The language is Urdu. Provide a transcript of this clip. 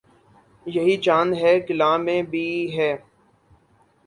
یہی چاند ہے کلاں میں بھی ہے